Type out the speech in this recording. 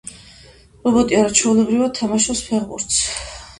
რობოტი არაჩვეულებრივად თამაშობს ფეხბურთს.